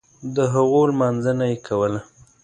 دهغو لمانځنه یې کوله.